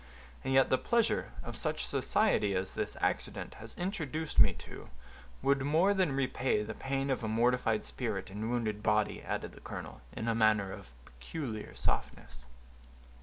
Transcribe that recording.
"And yet the pleasure of such society as this accident has introduced me to, would more than repay the pain of a mortified spirit and wounded body," added the colonel, in a manner of peculiar softness.